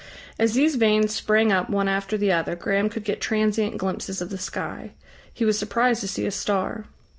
As these vanes sprang up one after the other, Graham could get transient glimpses of the sky. He was surprised to see a star.